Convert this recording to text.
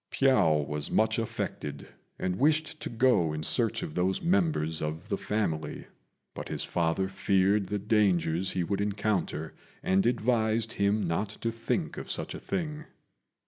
Piao was much affected, and wished to go in search of those members of the family; but his father feared the dangers he would encounter, and advised him not to think of such a thing.